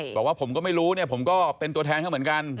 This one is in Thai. บอกว่าผมก็ไม่รู้เนี่ยผมก็เป็นตัวแทนเขาเหมือนกัน